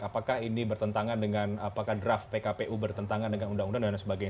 apakah ini bertentangan dengan apakah draft pkpu bertentangan dengan undang undang dan lain sebagainya